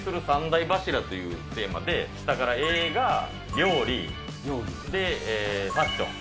３大柱というテーマで、下から映画、料理、で、ファッション。